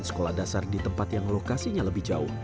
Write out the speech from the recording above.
sekolah dasar di tempat yang lokasinya lebih jauh